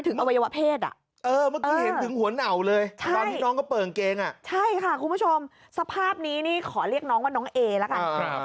เขาเปิ่งเกงน่ะใช่ค่ะคุณผู้ชมสภาพนี้นี่ขอเรียกน้องว่าน้องเอละกัน